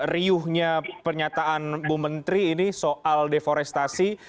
riuhnya pernyataan bu menteri ini soal deforestasi